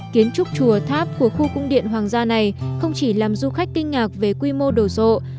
kiến trúc chùa tháp của khu cung điện hoàng gia này không chỉ làm du khách kinh ngạc về quy mô đồ sộ